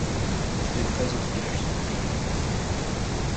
Les treize autres villages sont enclavés.